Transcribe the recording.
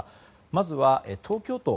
まず、東京都。